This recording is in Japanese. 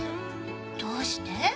どうして？